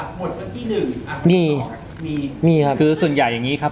วันที่หนึ่งอ่ะมีมีครับคือส่วนใหญ่อย่างงี้ครับ